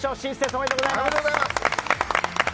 おめでとうございます。